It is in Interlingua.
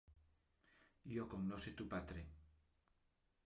Io cognosce tu patre.